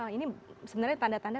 ini sebenarnya tanda tanda